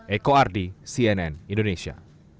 eko ardi cnn indonesia